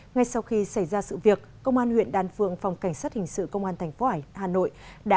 ngay sau khi xảy ra sự việc công an huyện đan phượng phòng cảnh sát hình sự công an tp hà nội